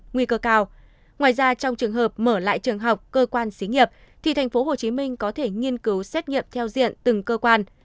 ngoài ra trong trường hợp mở lại trường học cơ quan xí nghiệp thì thành phố hồ chí minh có thể nghiên cứu xét nghiệm theo diện từng cơ quan